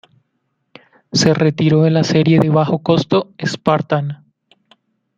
Se retiró de la serie de bajo costo Spartan.